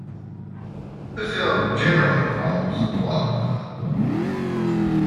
The film generally follows the plot of the novel.